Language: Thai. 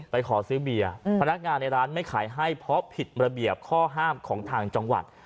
ขอซื้อเบียร์พนักงานในร้านไม่ขายให้เพราะผิดระเบียบข้อห้ามของทางจังหวัด